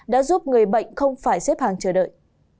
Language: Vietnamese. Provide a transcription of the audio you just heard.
đã giúp người bệnh không phải xếp hàng chờ đợi